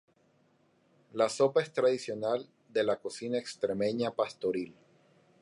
La sopa es tradicional de la cocina extremeña pastoril.